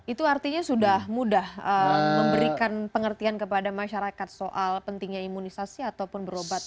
itu artinya sudah mudah memberikan pengertian kepada masyarakat soal pentingnya imunisasi ataupun berobat